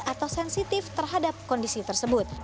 atau sensitif terhadap kondisi tersebut